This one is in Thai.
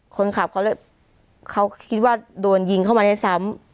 คนขับเขาเลยเขาคิดว่าโดนยิงเข้ามาด้วยซ้ำ